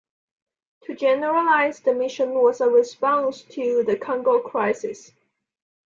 To generalise, the mission was a response to the Congo Crisis.